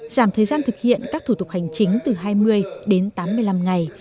giảm thời gian thực hiện các thủ tục hành chính từ hai mươi đến tám mươi năm ngày